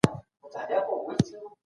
بازار بايد ازاد وي.